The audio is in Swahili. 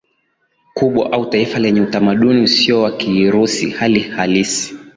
kubwa au taifa lenye utamaduni usio wa Kirusi Hali halisi